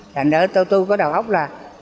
thành ra tôi có đầu óc là